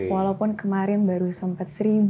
walaupun kemarin baru sempat seribu